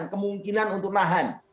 kemungkinan untuk nahan